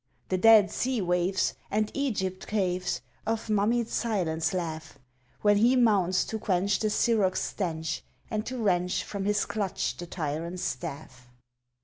The Dead Sea waves And Egypt caves Of mummied silence laugh When he mounts to quench the Siroc's stench And to wrench From his clutch the tyrant's staff.